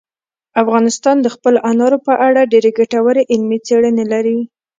افغانستان د خپلو انارو په اړه ډېرې ګټورې علمي څېړنې لري.